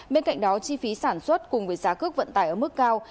bên cạnh đó chi phí sản xuất cùng với giá cước vận tải ở mức cao